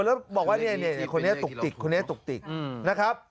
แล้วบอกว่าเนี่ยคนเนี่ยตุกติกนะครับ